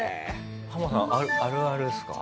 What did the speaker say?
ハマさんあるあるですか？